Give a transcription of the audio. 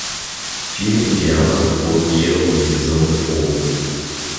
Viele Indianer wurden jedoch um diese Summen betrogen.